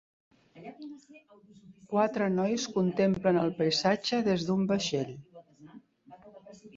Quatre nois contemplen el paisatge des d'un vaixell